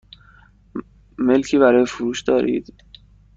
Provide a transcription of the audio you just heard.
ملکی برای فروش دارید؟